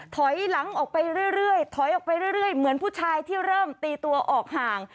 ถอยหลังออกไปเรื่อยเหมือนผู้ชายที่เริ่มตีตัวออกห่าง